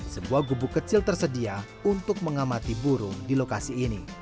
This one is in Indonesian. sebuah gubuk kecil tersedia untuk mengamati burung di lokasi ini